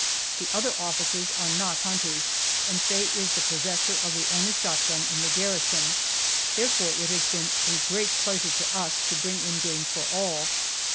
The other officers are not hunters, and Faye is the possessor of the only shotgun in the garrison, therefore it has been a great pleasure to us to bring in game for all.